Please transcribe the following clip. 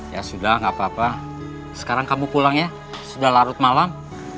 ya sudah nggak apa apa sekarang kamu pulang ya sudah larut malam